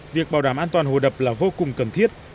việc bảo đảm an toàn hồ đập là vô cùng cần thiết